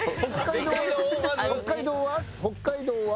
「北海道は？」